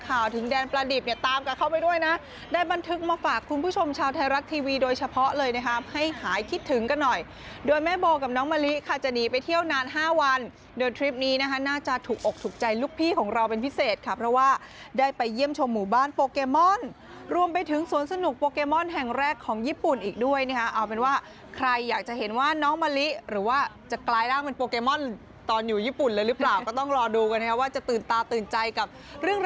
ข่าวถึงแดนปลาดิบตามกันเข้าไปด้วยนะได้บันทึกมาฝากคุณผู้ชมชาวไทยรักทีวีโดยเฉพาะเลยนะครับให้หายคิดถึงกันหน่อยโดยแม่โบกับน้องมะลิค่ะจะหนีไปเที่ยวนาน๕วันโดยทริปนี้น่าจะถูกอกถูกใจลูกพี่ของเราเป็นพิเศษครับเพราะว่าได้ไปเยี่ยมชมหมู่บ้านโปเกมอนรวมไปถึงสวนสนุกโปเกมอนแห